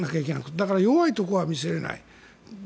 だから弱いところは見せられない。